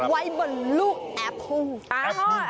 ไว้บนลูกแอปเปิ้ล